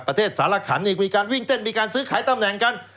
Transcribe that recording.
สารขันนี่มีการวิ่งเต้นมีการซื้อขายตำแหน่งกัน